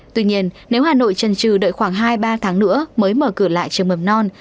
tuy nhiên nếu hà nội trần trừ đợi khoảng hai ba tháng nữa mới mở cửa lại trường mầm non